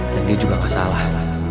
dan dia juga gak salah